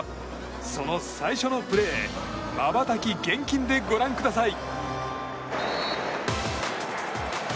その最初のプレーまばたき厳禁でご覧ください。